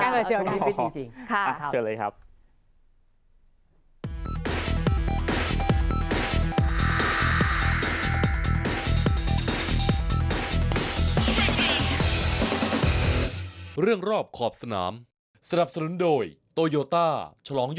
อากาศมาเจ็บอากาศมาเจ็บโอลิปิกจริง